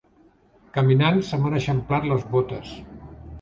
Caminant se m'han eixamplat les botes.